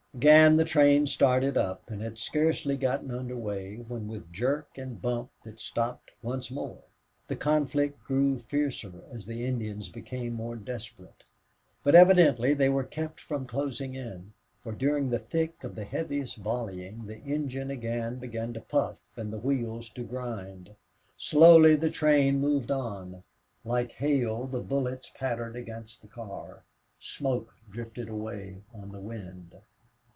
Again the train started up and had scarcely gotten under way when with jerk and bump it stopped once more. The conflict grew fiercer as the Indians became more desperate. But evidently they were kept from closing in, for during the thick of the heaviest volleying the engine again began to puff and the wheels to grind. Slowly the train moved on. Like hail the bullets pattered against the car. Smoke drifted away on the wind.